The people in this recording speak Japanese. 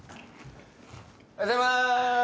おはようございます